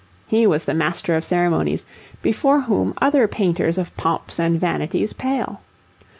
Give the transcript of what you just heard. He was the Master of Ceremonies, before whom other painters of pomps and vanities pale.